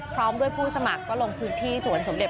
พร้อมด้วยผู้สมัครก็ลงพื้นที่สวนสมเด็จ